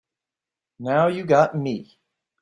Now you got me.